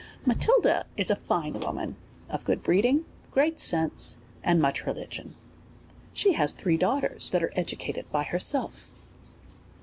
Matilda is a fine woman, of good breeding, great sense, and much religion. She has three daughters that are educated by herself.